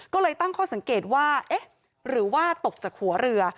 ก็เลยตั้งข้อสังเกตว่าเอ๊ะหรือว่าตกจากหัวเรือ